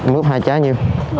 mướp hai trái nhiều